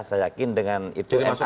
saya yakin dengan itu ma memutuskan